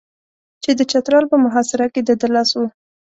چې د چترال په محاصره کې د ده لاس و.